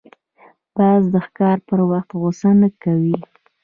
باز د ښکار پر وخت غوسه نه کوي